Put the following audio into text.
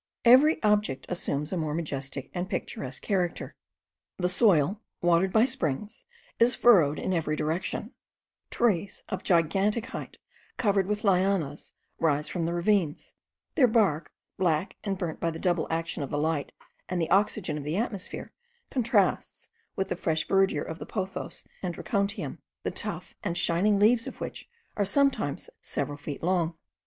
Every object assumes a more majestic and picturesque character; the soil, watered by springs, is furrowed in every direction; trees of gigantic height, covered with lianas, rise from the ravines; their bark, black and burnt by the double action of the light and the oxygen of the atmosphere, contrasts with the fresh verdure of the pothos and dracontium, the tough and shining leaves of which are sometimes several feet long.